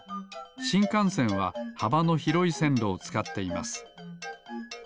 しんかんせんははばのひろいせんろをつかっています。